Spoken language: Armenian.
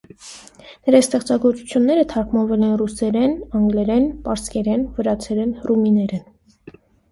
Նրա ստեղծագործությունները թարգմանվել են ռուսերեն, անգլերեն, պարսկերեն, վրացերեն, ռումիներեն։